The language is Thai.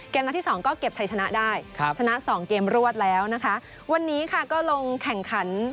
เกมหน้าที่๒ก็เก็บชัยชนะได้ชนะ๒เกมรวดแล้วนะคะวันนี้ค่ะก็ลงแข่งขัน